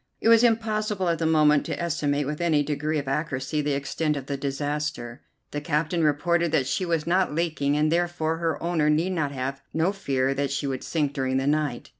It was impossible at the moment to estimate with any degree of accuracy the extent of the disaster. The captain reported that she was not leaking, and therefore her owner need have no fear that she would sink during the night.